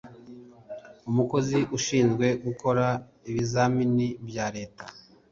umukozi ushinzwe gukora ibizamini bya leta